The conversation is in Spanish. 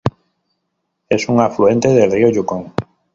Es un afluente del río Yukón.